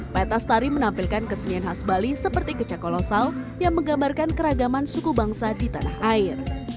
petastari menampilkan kesenian khas bali seperti kecak kolosal yang menggambarkan keragaman suku bangsa di tanah air